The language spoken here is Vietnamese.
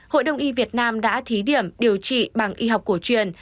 hội đồng y việt nam đã thí điểm điều trị bằng y học cổ truyền